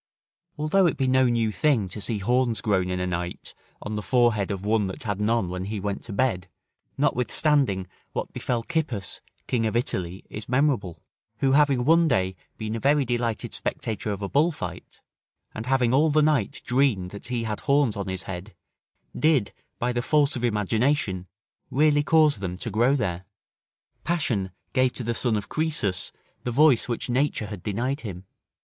Although it be no new thing to see horns grown in a night on the forehead of one that had none when he went to bed, notwithstanding, what befell Cippus, King of Italy, is memorable; who having one day been a very delighted spectator of a bullfight, and having all the night dreamed that he had horns on his head, did, by the force of imagination, really cause them to grow there. Passion gave to the son of Croesus the voice which nature had denied him.